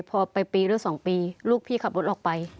พอไปปีหรือ๒ปีลูกพี่ขับรถออกไป